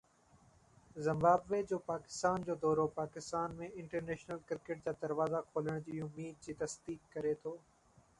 Zimbabwe جو پاڪستان جو دورو پاڪستان ۾ انٽرنيشنل ڪرڪيٽ جا دروازا کولڻ جي اميد جي تصديق ڪري ٿو